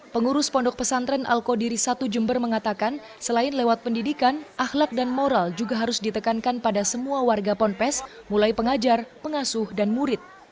pengurus pondok pesantren al qodiri satu jember mengatakan selain lewat pendidikan ahlak dan moral juga harus ditekankan pada semua warga ponpes mulai pengajar pengasuh dan murid